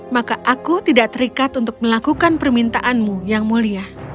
maka aku tidak terikat untuk melakukan permintaanmu yang mulia